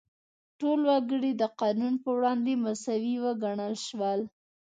ټول وګړي د قانون په وړاندې مساوي وګڼل شول.